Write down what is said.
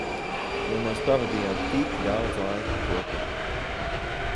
Jo mēs pavadījām tik daudz laika kopā.